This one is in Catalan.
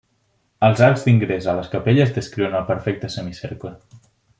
Els arcs d'ingrés a les capelles descriuen el perfecte semicercle.